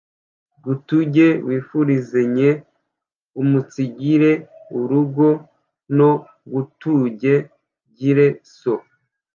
gutunge wifurizenye umunsigire urugo no gutunge Gire so,